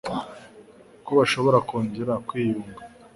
ko bashobora kongera kwiyunga